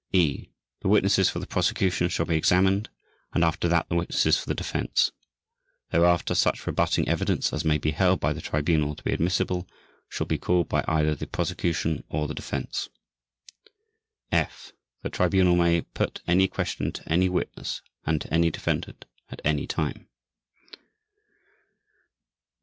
(e) The witnesses for the Prosecution shall be examined and after that the witnesses for the Defense. Thereafter such rebutting evidence as may be held by the Tribunal to be admissible shall be called by either the Prosecution or the Defense. (f) The Tribunal may put any question to any witness and to any defendant, at any time.